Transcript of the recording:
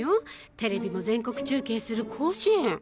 テレビも全国中継する甲子園。